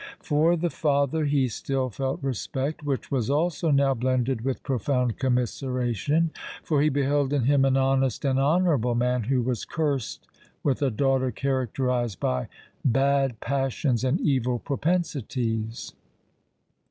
For the father he still felt respect, which was also now blended with profound commiseration; for he beheld in him an honest and honourable man, who was cursed with a daughter characterised by bad passions and evil propensities.